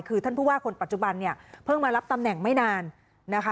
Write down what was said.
คือท่านผู้ว่าคนปัจจุบันเนี่ยเพิ่งมารับตำแหน่งไม่นานนะคะ